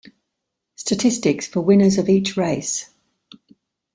Statistics for winners of each race.